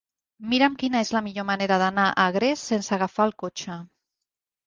Mira'm quina és la millor manera d'anar a Agres sense agafar el cotxe.